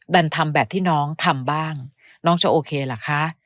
ทำแบบที่น้องทำบ้างน้องจะโอเคเหรอคะ